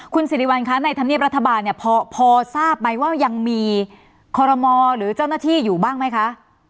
คุณสิริวัลคะในธรรมเนียบรัฐบาลเนี่ยพอทราบไหมว่ายังมีคอรมอหรือเจ้าหน้าที่อยู่บ้างไหมคะ